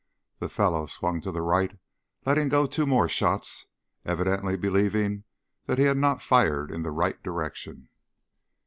The fellow swung to the right letting go two more shots, evidently believing that he had not fired in the right direction.